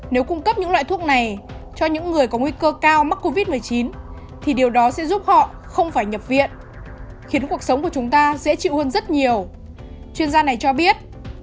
nếu cung cấp những loại thuốc này cho những người có nguy cơ cao mắc covid một mươi chín thì điều đó sẽ giúp họ không phải nhập viện khiến cuộc sống của chúng ta dễ chịu hơn rất nhiều chuyên gia này cho biết